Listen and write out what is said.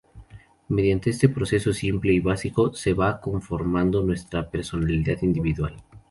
Mediante este proceso simple y básico, se va conformando nuestra personalidad individual.